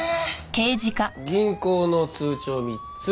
銀行の通帳３つ。